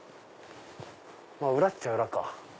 裏っちゃ裏か。